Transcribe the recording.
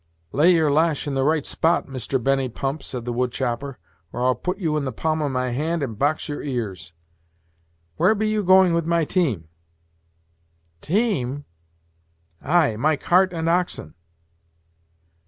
"Lay your lash in the right spot, Mr. Benny Pump," said the wood chopper, "or I'll put you in the palm of my hand and box your ears. Where be you going with my team?" "Team!" "Ay, my cart and oxen."